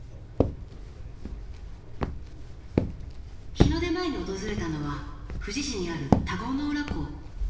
−日の出前に訪れたのは富士市にある田子の浦港。